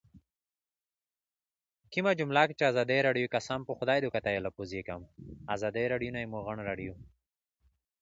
ازادي راډیو د اطلاعاتی تکنالوژي په اړه د خلکو نظرونه خپاره کړي.